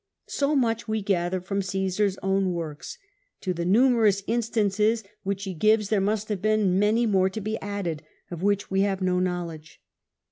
So much we gather from Ca9sar's own works : to tht numerous instances which he gives there must have been many more to be added, of which we have no knowledge.